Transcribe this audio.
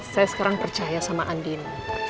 saya sekarang percaya sama andin